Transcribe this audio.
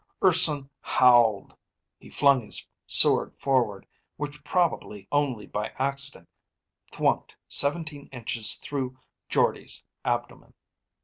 Urson howled. He flung his sword forward, which probably only by accident thwunked seventeen inches through Jordde's abdomen.